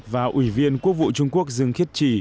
và ủy viên quốc vụ trung quốc dương khiết trì